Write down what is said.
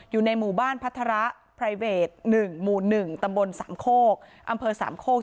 อยู่ในหมู่บ้านพัฒระเตมสามโคกอำเภอสามโคก